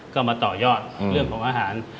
ก็มาต่อยอดเรื่องของอาหาร